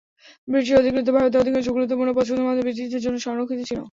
British অধিকৃত ভারতের অধিকাংশ গুরুত্বপূর্ণ পদ শুধুমাত্র ব্রিটিশদের জন্য সংরক্ষিত ছিল।